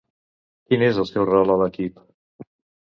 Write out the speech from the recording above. Quin és el seu rol a l'equip?